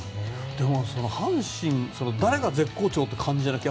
でも、阪神誰が絶好調という感じじゃなくて